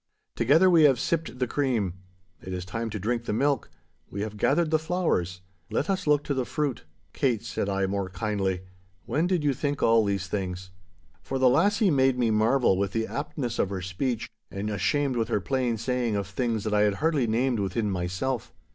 Together we have sipped the cream. It is time to drink the milk. We have gathered the flowers—let us look to the fruit.' 'Kate,' said I, more kindly, 'when did you think all these things?' For the lassie made me marvel with the aptness of her speech, and ashamed with her plain saying of things that I had hardly named within myself.